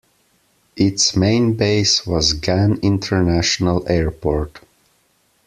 Its main base was Gan International Airport.